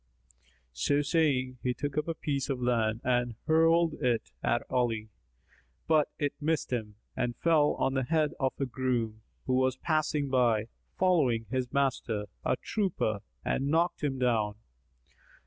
So saying, he took up a piece of lead, and hurled it at Ali; but it missed him and fell on the head of a groom, who was passing by, following his master, a trooper, and knocked him down.